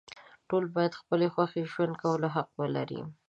ټول باید د خپلې خوښې ژوند کولو حق ولري.